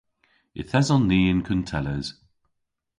Yth eson ni yn kuntelles.